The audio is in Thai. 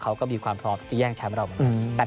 เขาก็มีความพร้อมที่จะแย่งแชมป์เราเหมือนกัน